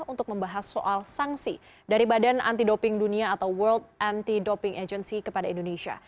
untuk membahas soal sanksi dari badan anti doping dunia atau world anti doping agency kepada indonesia